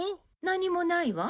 何もないわ。